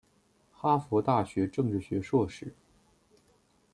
哈佛大学政治学硕士。